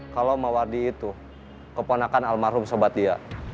kalau mawardi itu keponakan almarhum sobat dia